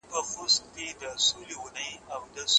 لکه انگور ښه را تاو شوی تر خپل ځان هم يم